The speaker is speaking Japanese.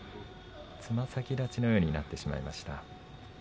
つま先立ちのようになってしまいました。